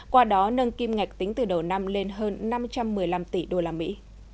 qua đó nâng kim ngạch tính từ đầu năm lên hơn năm trăm một mươi năm tỷ đô la mỹ